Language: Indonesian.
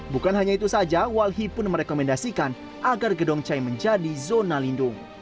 bukan hanya itu saja walhi pun merekomendasikan agar gedong cai menjadi zona lindung